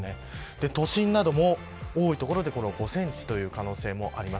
都心なども、多い所で５センチという可能性もあります。